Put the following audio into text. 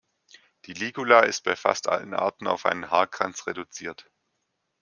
Die Ligula ist bei fast allen Arten auf einen Haarkranz reduziert.